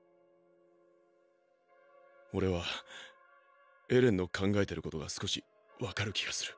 俺はエレンの考えてることが少しわかる気がする。